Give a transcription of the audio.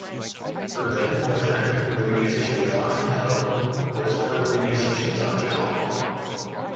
Her then-boyfriend, the musician Thom Hell, was one of the musicians on the album.